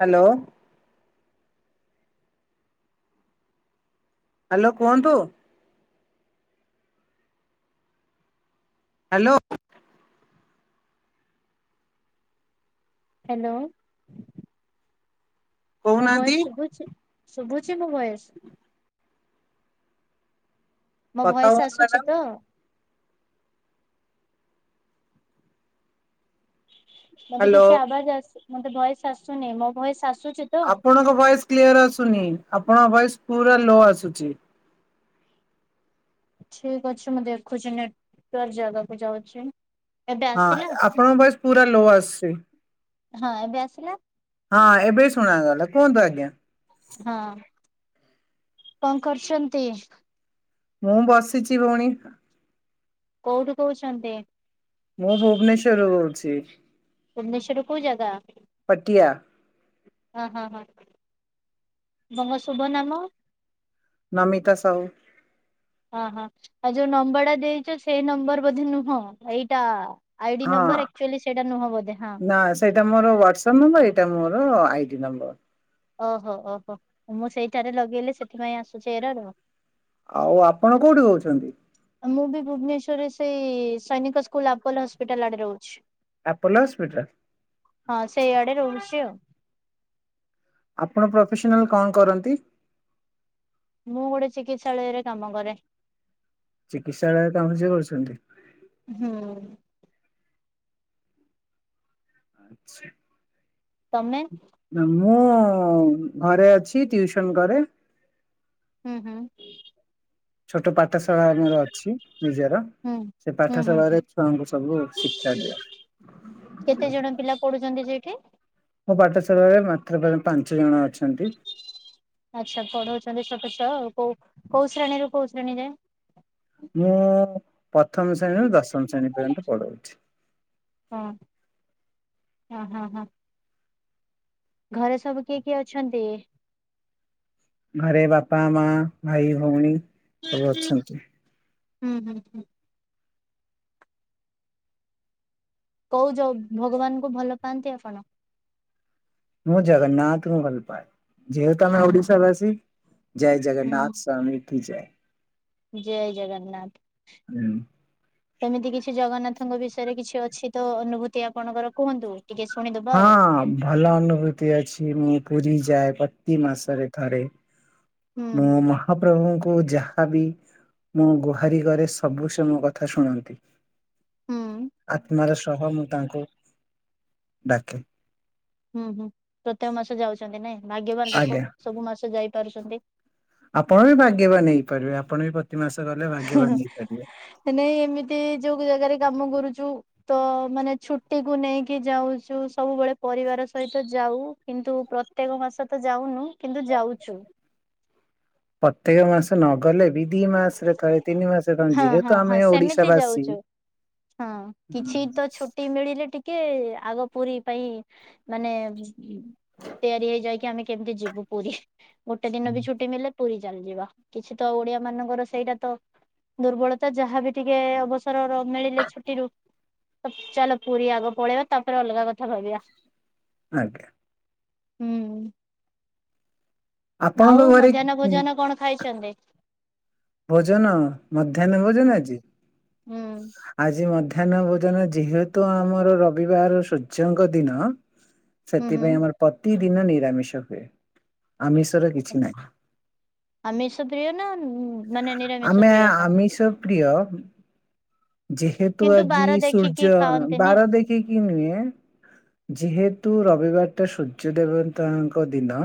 Hello. Hello କୁହନ୍ତୁ। Hello. Hello. ମୋ କହୁନାହାନ୍ତି ଭୟସ ଶୁଭୁଛି, ଶୁଭୁଛି ମୋ ଭୟସ? ମୋ କଥା ଭୟସ ହୁଅନ୍ତୁ ଆସୁଛି ମ୍ୟାଡାମ ତ? ମତେ ହ୍ୟାଲୋ କିଛି ଆବାଜ ଆସ, ମତେ ଭୟସ ଆସୁନି ମୋ ଭୟସ ଆସୁଛି? ତ ଆପଣଙ୍କ ଭଏସ କ୍ଲିୟର ଆସୁନି, ଆପଣଙ୍କ ଭଏସ ପୁରା ଲୋ ଆସୁଛି। ଠିକ ଅଛି ମୁଁ ଦେଖୁଛି, ନେଟ୍ ୱର୍କ ଜାଗାକୁ ଯାଉଛି। ଏବେ ହଁ ଆସିଲା ଆପଣଙ୍କ ଭୟସ ପୁରା ଲୋ ଆସୁଛି। ହଁ ଏବେ ଆସିଲା? ହଁ ଏବେ ଶୁଣାଗଲା, କୁହନ୍ତୁ ଆଜ୍ଞା। ହଁ, କଣ କରୁଛନ୍ତି? ମୁଁ ବସିଛି ଭଉଣୀ। କୋଉଠୁ କହୁଛନ୍ତି? ମୁଁ ଭୁବନେସ୍ୱର କହୁଛି। ଭୁବନେଶ୍ୱଵରରେ କଉ ଜାଗା। ପଟଆ ହଁ ହଁ ହଁ ମଙ୍କ ଶୁଭ ନାମ? ନମିତା ସାହୁ। ହଁ ହଁ ଆଉ ଯୋଉ ନମ୍ବରଟା ଦେଇଛ ସେଇ ନମ୍ବର ବୋଧେ ନୁହଁ ଏଇଟା। ଆଇଡି ହଁ ନମ୍ବର ଆକ୍ଚୁଆଲି ସେଇଟା ନୁହଁ ବୋଧେ? ହଁ ନା ସେଇଟା ମୋର ହ୍ୱାଟ୍ସଆପ୍ ନମ୍ବର ଏଇଟା ମୋର ଆଇଡି ନମ୍ବର। ଓହୋ ଓହୋ ମୁଁ ସେଇଠାରେ ଲଗେଇଲେ ସେଥିପାଇଁ ଆସୁଛି ଏରର। ଆଉ ଆପଣ କୋଉଠି କହୁଛନ୍ତି? ମୁଁ ବି ଭୁବନେସ୍ୱରରେ ସେଇ ସୈନିକ ସ୍କୁଲ ଆପୋଲୋ ହସ୍ପିଟାଲ ଆଡେ ରହୁଛି। ଆପୋଲୋ ହସ୍ପିଟାଲ ହଁ ସେଇଆଡେ ରହୁଛି ଆଉ। ଆପଣ ପ୍ରଫେସନାଲ କଣ କରନ୍ତି? ମୁଁ ଗୋଟେ ଚିକିତ୍ସାଳୟରେ କାମ କରେ। ଚିକିତ୍ସାଳୟରେ ଆମ ଝିଅ କରୁଛନ୍ତି। ହୁଁ ଆଚ୍ଛା ତମେ ମୁଁ ଘରେ ଅଛି, ଟିଉସନ କରେ ହୁଁ ହୁଁ ଛୋଟ ପାଠଶାଳା ଆମର ଅଛି ନିଜର। ହୁଁ ସେ ହୁଁ ହୁଁ ପାଠଶାଳ ହୁଁ। ରେ ଛୁଆଙ୍କୁ ସବୁ ଶିକ୍ଷା ଦିଏ। କେତେ ଜଣ ପିଲା ପଢୁଛନ୍ତି ସେଇଠି? ମୋ ପାଠଶାଳାରେ ମାତ୍ର ପାଞ୍ଚ ଜଣ ଅଛନ୍ତି। ଆଚ୍ଛା ପଢଉଛନ୍ତି ଛୋଟ ଛୁଅ ଆଉ କୋଉ ଶ୍ରେଣୀରୁ କୋଉ ଶ୍ରେଣୀ ଯାଏ? ମୁଁ ପ୍ରଥମ ଶ୍ରେଣୀରୁ ଦଶମ ଶ୍ରେଣୀ ପର୍ଯ୍ୟନ୍ତ ପଢ଼ାଉଛି। ହଁଉ ହଁ ହଁ ହଁ ଘରେ ସବୁ କିଏ କିଏ ଅଛନ୍ତି? ଘରେ ବାପା ମା ଭାଇ ଭଉଣୀ ସବୁ ଅଛନ୍ତି। ହୁଁ ହୁଁ ହୁଁ କୋଉ ଜୋ ଭଗବାନ ଙ୍କୁ ଭଲ ପାଆନ୍ତି ଆପଣ? ମୁଁ ଜଗନ୍ନାଥ ଙ୍କୁ ଭଲପାଏ ଯେହେତୁ ଆମେ ଓଡିଶା ବାସି ଜୟ ହୁଁ ଜଗନ୍ନାଥ ସ୍ୱାମୀ କି ଜୟେ। ଜୟ ଜଗନ୍ନାଥ ହୁଁ ସେମିତି କିଛି ଜଗନ୍ନାଥଙ୍କ ବିଷୟରେ କିଛି ଅଛି ତ ଅନୁଭୂତି ଆପଣଙ୍କର କୁହନ୍ତୁ। ଟିକେ ଶୁଣିଦ ହଁ ଭଲ ଅନୁଭୂତି ଅଛି ମୁଁ ପୁରୀ ଯାଏ ପ୍ରତି ମାସରେ ଥରେ। ହୁଁ ମୁଁ ମ ମହାପ୍ରଭୁଙ୍କୁ ଯାହାବି ମୁଁ ଗୁହାରି କରେ ସବୁ ସେ ମୋ କଥା ଶୁଣନ୍ତି। ହୁଁ ଆତ୍ମାର ସହ ମୁଁ ତାଙ୍କୁ ଡାକେ। ହୁଁ ହୁଁ ପ୍ରତ୍ୟେକ ମାସ ଯାଉଛନ୍ତି ନାଇଁ, ଭାଗ୍ୟବାନ ଲୋକ ଆଜ୍ଞା। ସବୁ ମାସ ଯାଇପାରୁଛନ୍ତି। ଆପଣ ବି ଭାଗ୍ୟବାନ ହେଇପାରିବେ ଆପଣ ବି ପ୍ରତି ମାସ ଗଲେ ଭାଗ୍ୟବାନ ହେଇପାରିବେ। ନାଇ ଏମିତି ଯୋଉ ଜାଗାରେ କାମ କରୁଛୁ ତ ମାନେ ଛୁଟିକୁୁ ନେଇକି ଯାଉଛୁ ସବୁବେଳେ ପରିବାର ସହିତ ଯାଉ। କିନ୍ତୁ ପ୍ରତ୍ୟେକ ମାସ ତ ଯାଉନୁ କିନ୍ତୁ ଯାଉଛୁ। ପ୍ରତ୍ୟେକ ମାସ ନଗଲେ ବି ଦି ମାସରେ କରେ ତିନି ମାସରେ କ ହଁ ହଁ ଯେହେତୁ ହଁ ଆମେ ସେମିତି ଓଡିଶା ବାସୀ ଯାଉଛୁ ହଁ କିଛି ତ ଛୋ ଟିମିଳି ରେ ଟିକେ ଆଗ ପୁରୀ ପାଇଁ ମାନେ ତିଆରି ହେଇଯାଇକି ଆମେ କେମିତି ଯିବୁ ପୁରୀ? ଗୋଟେ ଦିନ ବି ଛୁଟି ନେଲେ ପୁରୀ ଚାଲ୍ ଯିବା। କିଛି ତ ଓଡିଆ ମାନଙ୍କର ସେଇଟା ତ ଦୁର୍ବଳତା ଯାହାବି ଟିକେ ଅବ ଏଥର ର ମିଳିଲେ ଛୁଟିରୁ ଚାଲ ପୁରୀ ଆଗ ପଳେଇବା ତାପରେ ଅଲଗା କଥା ଭାବିବା। ଆଜ୍ଞା। ହୁଁ। ଆପଣଙ୍କ ଆଉ ଘରେ ମଧ୍ୟାହ୍ନ ଭୋଜନ କଣ ଖାଇଛନ୍ତି? ଭୋଜନ ମଧ୍ୟାହ୍ନ ଭୋଜନ ଆଜି। ହୁଁ ଆଜି ମଧ୍ୟ ମଧ୍ୟାହ୍ନ ଭୋଜନ ଯେହେତୁ ଆମର ରବିବାର ସୂର୍ଯ୍ୟଙ୍କ ଦିନ ହୁଁ ହୁଁ ସେଥିପାଇଁ ଆମର ପ୍ରତିଦିନ ନିରାମିଷ ହୁଏ। ଆମିଷର କିଛି ନାହିଁ। ଆମିଷ ପ୍ରିୟ ନା ମାନେ ନିରାମିଷ ଆମେ ପ୍ରିୟ ଆପଣ? ଆମିଷ ପ୍ରିୟ ଯେହେତୁ କିନ୍ତୁ ଆଜି ବାର ଦେଖିକି ସୂର୍ଯ୍ୟ ଖାଆନ୍ତିନି ଆଉ ବାର ଦେଖିକି ନୁହେଁ ଯେହେତୁ ରବିବାର ଟା ସୂର୍ଯ୍ୟ ଦେବତାଙ୍କ ଦିନ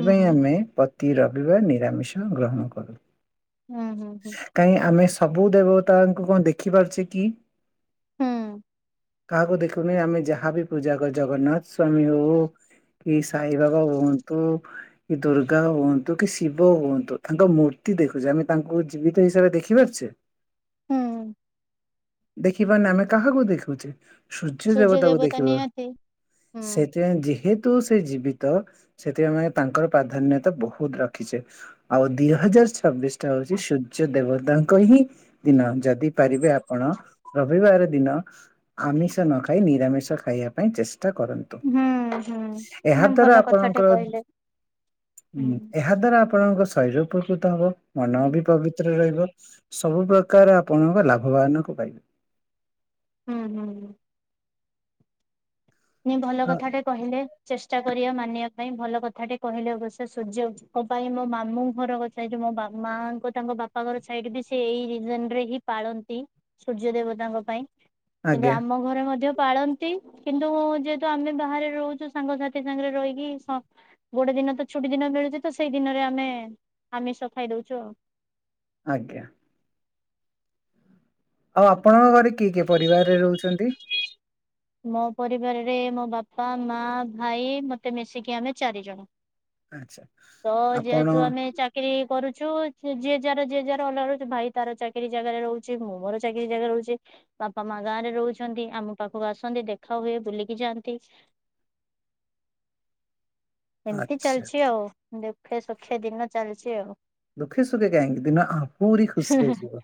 ହୁଁ ହୁଁ ଆମେ ପ୍ରତି ରବିବାର ନିରାମିଷ ଗ୍ରହଣ କରୁ। ହୁଁ ହୁଁ ହୁଁ। କାହିଁ ଆମେ ସବୁ ଦେବତାଙ୍କୁ କଣ ଦେଖିପାରୁଛେ କି? ହୁଁ କାହାକୁ ଦେଖୁନି ଆମେ ଯାହା ବିି ପୂଜା କରୁ ଜଗନ୍ନାଥ ସ୍ଵାମୀ ହଉ କି ସାଇଁ ବାବା ହୁଅନ୍ତୁ କି ଦୁର୍ଗା ହୁଅନ୍ତୁ, କି ଶିବ ହୁଅନ୍ତୁ ତାଙ୍କ ମୂର୍ତ୍ତି ଦେଖୁଛେ, ଆମେ ତାଙ୍କୁ ଜୀବିତ ହିସାବରେ ଦେଖିପାରୁଛେ? ହୁଁ। ଦେଖିପାରୁନେ ଆମେ କାହାକୁ ଦେଖୁଛେ, ସୂର୍ଯ୍ୟ ଦେବତାକୁ ଦେବତା ଦେଖିବା। ନିହାତି ସେ ହୁଁ। ସେ ଯେହେତୁ ସେ ଜୀବିତ, ସେଥିପାଇଁ ଆମେ ତାଙ୍କର ପ୍ରାଧାନ୍ୟତା ବହୁତ ରଖିଛେ। ଆଉ ଦି ହଜାର ଛବିଶଟା ହଉଛି ସୂର୍ଯ୍ୟ ଦେବତାଙ୍କ ହିଁ ଦିନ। ଯଦି ଦେଇପାରିବେ ଆପଣ, ରବିବାର ଦିନ ଆମିଷ ନ ଖାଇ ନିରାମିଷ ଖାଇବା ପାଇଁ ଚେଷ୍ଟା କରନ୍ତୁ। ହୁଁ ହୁଁ ଏହା ନା ଦ୍ଵାରା ଭଲ କଥାଟେ ଆପଣଙ୍କର କହିଲେ। ହୁଁ ଏହା ଦ୍ଵାରା ଆପଣଙ୍କ ଶରୀର ଉପକୃତ ହବ, ମନ ବି ପବିତ୍ର ରହିବ, ସବୁ ପ୍ରକାର ଆପଣଙ୍କ ଲାଭବାନକୁ ପାଇବେ। ହୁଁ ହୁଁ ହୁଁ। ନି ଭଲ ଆ- କଥାଟେ କହିଲେ। ଚେଷ୍ଟା କରିବା ମାନିବା ପାଇଁ। ଭଲ କଥା ଟେ କହିଲେ, ଅବଶ୍ୟ ସୂର୍ଯ୍ୟ ଉସ୍ତ ପାଇଁ ମୋ ମାମୁଁ ଘର ସେଇଠି ମୋ ବା ମାଙ୍କ ତାଙ୍କ ବାପ ଘର ସାଇଡ୍ ବି ସେ ଏଇ ରିଜିନ୍ ରେ ହିଁ ପାଳନ୍ତି। ସୂର୍ଯ୍ୟ ଦେବତାଙ୍କ ପାଇଁ। କିନ୍ତୁ ଆଜ୍ଞା ଆମ ଘରେ ମଧ୍ୟ ପାଳନ୍ତି, କିନ୍ତୁ ତ ଯେହେତୁ ଆମେ ବାହାରେ ରହୁଛୁ ସାଙ୍ଗସାଥି ସାଙ୍ଗରେ ରହିକି ସ ଗୋଟେ ଦିନ ତ ଛୁଟି ଦିନ ମିଳୁଛି ତ ସେଇ ଦିନରେ ଆମେ ଆମିଷ ଖାଇ ଦଉଛୁ ଆଉ। ଆଜ୍ଞା। ଆଉ ଆପଣଙ୍କ ଘରେ କିଏ କିଏ ପରିବାରରେ ରହୁଛନ୍ତି? ମୋ ପରିବାରରେ ମୋ ବାପା, ମା, ଭାଇ ମତେ ମିଶିକି ଆମେ ଚାରିଜଣ। ଆଚ୍ଛା ତ ଆପଣ ଯେହେତୁ ଆମେ ଚା ଚାକିରି କରୁଛୁ ଯିଏ ଯାର ଯିଏ ଯାର ଅଲଗା ରହି ଭାଇ ତାର ଚାକିରି ଜାଗାରେ ରହୁଛି ମୁଁ ମୋର ଚାକିରି ଜାଗାରେ ରହୁଛି ବାପା ମା ଗାଁରେ ରହୁଛନ୍ତି। ଆମ ପାଖକୁ ଆସନ୍ତି ଦେଖା ହୁଏ ବୁଲିକି ଯାଆନ୍ତି। ଏମିତି ଆଚ୍ଛା ଚାଲିଛି ଆଉ। ଦୂଖେ ସୁଖେ ଦିନ ଚାଲିଛି ଆଉ। ଦୁଖେ ସୁଖେ କାହିଁକି, ଦିନ ଆହୁରି ହୁଁ ଖୁସିରେ ଯିବ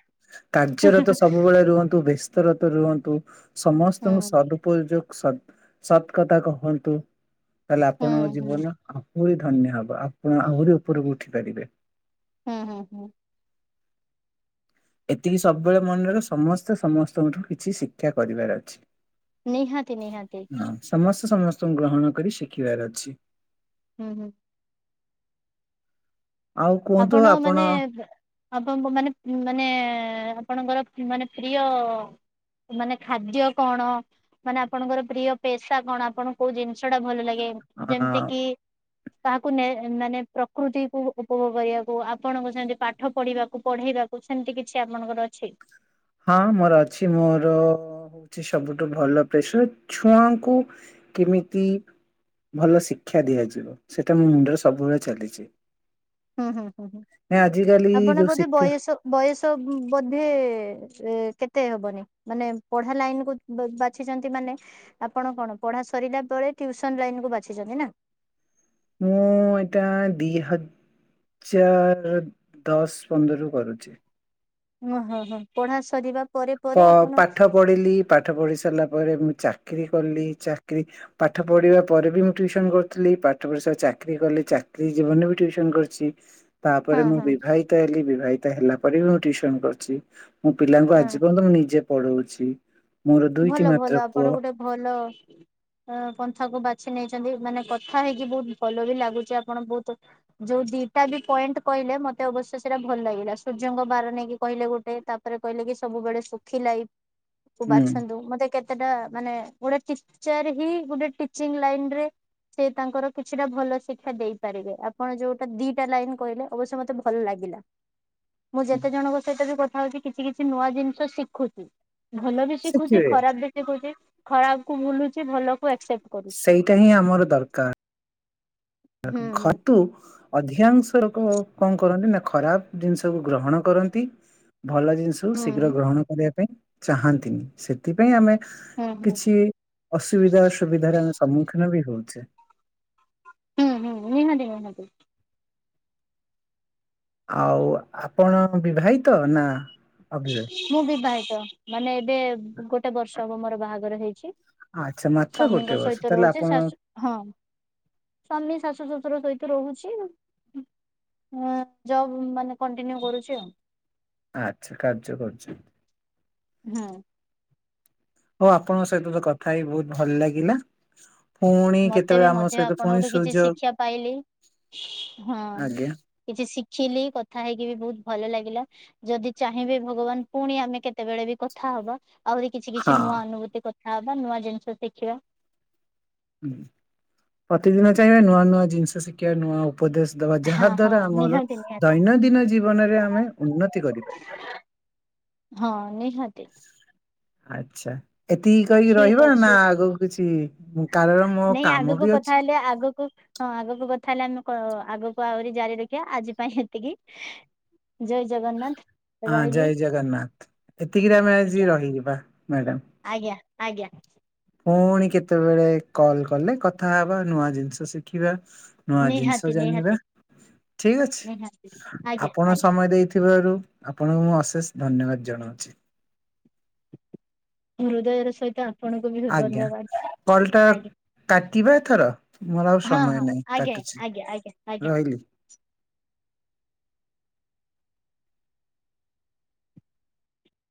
କାର୍ଯ୍ୟରେ ତ ସବୁବେଳେ ରୁହନ୍ତୁ ବ୍ୟସ୍ତ ବ୍ୟସ୍ତ ରତ ରୁହନ୍ତୁ। ସମସ୍ତଙ୍କୁ ହୁଁ ସଦ୍ ଉପଯୋଗ ସ ସତ୍ କଥା କୁହନ୍ତୁ। ତାହେଲେ ହୁଁ ଆପଣଙ୍କ ହୁଁ ଜୀବନ ଆହୁରି ଧନ୍ୟ ହବ। ଆପଣ ଆହୁରି ଉପରକୁ ଉଠି ପାରିବେ। ହୁଁ ହୁଁ ହୁଁ। ଏତିକି ସବୁବେଳେ ମନେ ରଖ ସମସ୍ତେ ସମସ୍ତଙ୍କଠୁ କିଛି ଶିକ୍ଷା କରିବାର ଅଛି ନିହାତି ନିହାତି ହଁ ସମସ୍ତେ ସମସ୍ତଙ୍କୁ ଗ୍ରହଣ କରି ଶିଖିବାର ଅଛି ହୁଁ ହୁଁ ଆଉ କୁହନ୍ତୁ ଆପଣ ମାନେ ଆପଣଙ୍କ ମାନେ ମାନେ ଆପଣଙ୍କର ମାନେ ପ୍ରିୟ ମାନେ ଖାଦ୍ୟ କଣ ମାନେ ଆପଣଙ୍କର ପ୍ରିୟ ପେସା କଣ ଆପଣଙ୍କୁ କଉ ଜିନିଷ ଟା ଭଲ ଲାଗେ ଆ ଯେମିତି କିି ତାହାକୁ ମାନେ ପ୍ରକୃତିକୁ ଉପୋଗ କରିବାକୁ ଆପଣଙ୍କୁ ସେମିତି ପାଠ ପଢିବାକୁ ପଢେଇବାକୁ ସେମିତି କିଛି ଆପଣଙ୍କର ଅଛି ହଁ ମୋର ଅଛି ମୋର ହଉଛି ସବୁଠୁ ଭଲ ପ୍ରେସର ଛୁଆଙ୍କୁ କେମିତି ଭଲ ଶିକ୍ଷା ଦିଆଯିବ ସେଇଟା ମୋ ମୁଣ୍ଡରେ ସବୁବେଳେ ଚାଲିଛି ହୁଁ ହୁଁ ହୁଁ ହୁଁ ନା ଆଜିକାଲି ଆପଣ ଯୋଉ ବୋଧେ ଶିକ୍ଷା ବୟସ ବୟସ ବୋଧେ ଏ କେତେ ହବନି ମାନେ ପଢା ଲାଇନ କୁ ବାଛିଛନ୍ତି ମାନେ ଆପଣ କଣ ପଢା ସରିଲା ପରେ ଟ୍ୟୁସନ ଲାଇନ କୁ ବାଛିଛନ୍ତି ନା ମୁଁ ଏତା ଦି ହଜ ଚାର ଦଶ ପନ୍ଦର କରୁଛି ଓ ହଁ ହଁ ପଢା ସରିବା ପରେ ପରେ ଆପଣ ପାଠ ପଢିଲି ପାଠ ପଢି ସାରିଲା ପରେ ମୁଁ ଚାକିରୀ କଲି ଚାକିରୀ ପାଠ ପଢିବା ପରେ ବି ମୁଁ ୍ୟଉସନ କରୁଥିଲି ପାଠ ପଢି ସ ଚାକିରି କଲି ଚାକିୀ ଜୀବନରେ ବିୁସନ କରିଥିଲି ତାପରେ ହଁ ମୁଁ ହଁ ବିବାହିତ ହେ ବିବାହିତ ହେଲା ପରେ ମୁଁସନ କରଛି ମୁଁ ପିଲା ହଁ ଜୀବନ ତ ମୁଁ ନିଜେ ପଢଉଛି ମୋର ଭଲ ଦୁଇଟି ମାତ୍ର ପୁଅ ଭଲ ଅ ପନ୍ଥାକୁ ବାଛି ନେଇଛନ୍ତି ମାନେ କଥା ହେଇକି ବହୁତ ଭଲ ବି ଲାଗୁଛି ଆପଣ ବହୁତ ଯୋଉ ଦିଟା ବି ପଏଣ୍ଟ କହିଲେ ମତେ ଅବଶ୍ୟ ସେଇଟା ଭଲ ଲାଗିଲା ସୂର୍ଯ୍ୟଙ୍କ ବାର ନେଇକି କହିଲେ ଗୋଟେ ତା ରେ କହିଲେ କି ସବୁବେଳେ ଶୁଖିଲା ହୁଁ ମତେ କେତେଟା ମାନେ ଗୋଟେ ଟିଚର ହ ଗୋଟେଟିଚିଂ ଲାଇନରେ ସେ ତାଙ୍କର କିଛିଟା ଭଲ ଶିକ୍ଷା ଦେଇପାରିବେ ଆପଣ ଯୋଉଟା ଦିଟା ଲାଇନ କହିଲେ ଅବଶ୍ୟ ମତେ ଭଲ ଲାଗିଲା ମୁଁ ଯେତେ ଜଣଙ୍କ ସହିତ ବି କଥା ହଉଛି କିଛି କିଛି ନୂଆ ଜିନିଷ ଶିଖୁଛି ଭଲ ବି ଶଖଛି ଶିଖିବେ ଖରାପ ବି ଶିଖୁଛି ଖରାପ କୁ ଭୁଲୁଛି ଭଲ କୁ ଆକ୍ସେପ୍ଟ କରୁଛି ଏଇଟା ହିଁ ଆମର ଦରକାର ହୁଁ ହୁଁ ଘତୁ ଅଧିକାଂଶ ଲୋକ କଣ କରନ୍ତି ନା ଖରାପ ଜିନିଷକୁ ଗ୍ରହଣ କରନ୍ତି ଭଲ ଜିନିଷ ସବୁ ହୁଁ ଶୀଘ୍ର ଗ୍ରହଣ କରିବା ପାଇଁ ଚାହାନ୍ତିନି ସେଥିପାଇଁ ଆମେ ହୁଁ ହୁଁ। କିଛି ଅସୁବିଧା ଅସୁବିଧାରେ ଆମେ ସମ୍ମୁଖୀନ ବି ହଉଛେ ହୁଁ ହୁଁ ନିନଦି ନିନଦି ଆଉ ଆପଣ ବିବାହିତ ନା ଅବିବାହିତ ମୁଁ ବିବାହିତ ମାନେ ଏବେ ଗୋଟେ ବର୍ଷ ହବ ମୋର ବାହାଘର ହେଇଛି ଆଚ୍ଛା ମାତ୍ର ଗୋଟେ ସ୍ୱାମୀଙ୍କ ବର୍ଷ ସହିତ ତାହେଲେ ଆପଣ ରହୁଛିେ ହଁ ସ୍ୱାମୀ ଶାଶୁ ଶ୍ୱଶୁର ସହିତ ରହୁଛି ହ ଜବ ମାନେ କଣ୍ଟିନ୍ୟୁ କରୁଛି ଆଉ ଆଛା କାର୍ଯ୍ୟ କରଛ ହଁ ହଉ ଆପଣଙ୍କ ସହିତ ତ କଥା ହେଇ ବହୁତ ଭଲ ଲାଗିଲା ପୁଣି ମତେ ବି କେତେବେଳେ ଆମ ମଧ୍ୟ ସହିତ ପୁଣି ଆପଣଙ୍କଠୁ କିଛି ସୁଯୋଗ ଶିକ୍ଷା ପାଇଲି ହଁ ଆଜ୍ଞା କିଛି ଶିଖିଲି କଥା ହେଇକି ବି ବହୁତ ଭଲ ଲାଗିଲା ଯଦି ଚାହିଁବେ ଭଗବାନ ପୁଣି ଆମେ କେତେବେଳେ ବି କଥା ହବା ଆହୁରି କିଛି କିଛି ନୂଆ ହଁ। ଅନୁଭୂତି କଥା ହବା ନୂଆ ଜିନିଷ ଶିଖିବା ହୁଁ ପ୍ରତିଦିନ ଚାହିଁବେ ନୂଆ ନୂଆ ଜିନିଷ ଶିଖିବା ନୂଆ ଉପଦେଶ ଦବା ହଁ ଯାହା ହଁ ଦ୍ଵାରା ଆମର ନିହାତି ନିହାତି। ଦୈନନ୍ଦିନ ଜୀବନରେ ଆମେ ଉନ୍ନତି କରିପାରିବା। ହଁ ନିହାତି। ଆଚ୍ଛା। ଏତିକି କହିକି ଠିକ ରହିବା ନା ଅଛି ଆଗକୁ କିଛି କାରଣ ମୋ କାମ ବି ଅଛି। ନା ଆଗକୁ ହଁ ଆଗକୁ କଥା ହେଲେ ଆମେ ଆଗକୁ ଆହୁରି ଜାରି ରଖିବା ଆଜି ପାଇଁ ଏତିକି। ଜୟ ଜଗନ୍ ହଁ ଜୟ ଜଗନ୍ନାଥ ଏତିକି ଟମେ ଆଜି ଆଜ୍ଞା ରହିଯିବା ମ୍ୟାଡାମ। ଆଜ୍ଞା ଆଜ୍ଞା। ପୁଣି କେତେବେଳେ କଲ୍ କଲେ କଥା ହେବା ନୂଆ ଜିନିଷ ଶିଖିବା। ନୂଆ ଜିନିଷ ନିହାତି ଜାଣିବା ନିହାତି ଠିକ ନିହାତି ଅଛି ଆଜ୍ଞା ଆପଣ ଆଜ୍ଞା ସମୟ ଦେଇ ଥିବାରୁ ଆପଣଙ୍କୁ ମୁଁ ଅଶେଷ ଧନ୍ୟବାଦ ଜଣାଉଛି। ହୃଦୟର ସହିତ ଆପଣଙ୍କୁ ବି ବହୁତ ଧନ୍ୟବାଦ। କଲଟା ଆଜ୍ଞା କାଟିବାଥର ମୋର ଆଉ ହଁ ସମୟ ହଁ ନାହିଁ ଆଜ୍ଞା କାଟୁଛି ଆଜ୍ଞା ଆଜ୍ଞା ଆଜ୍ଞା। ରହିଲି।